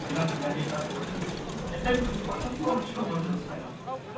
Most of the area is covered by the Kowloon Group of Reservoirs.